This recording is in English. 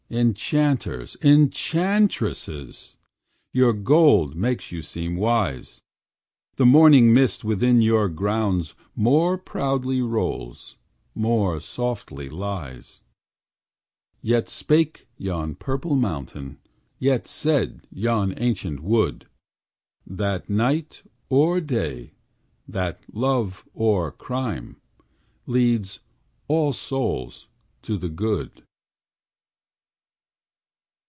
Enchanters! Enchantresses! Your gold makes you seem wise; The morning mist within your grounds More proudly rolls, more softly lies. Yet spake yon purple mountain, Yet said yon ancient wood, That Night or Day, that Love or Crime, Leads all souls to the Good.